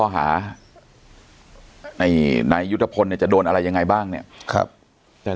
หานายยุทธพลเนี่ยจะโดนอะไรยังไงบ้างเนี่ยครับแต่